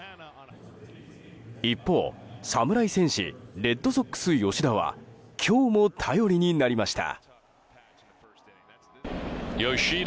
一方、侍戦士レッドソックス吉田は今日も頼りになりました。